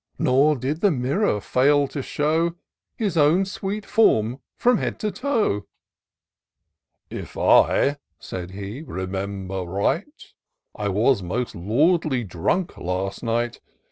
Nor did the mirror fail to show His own sweet form from top to toe. " If I," said he, " remember right, I was most lordly dnmk last night